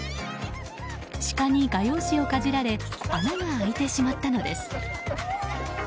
シカに画用紙をかじられ穴が開いてしまったのです。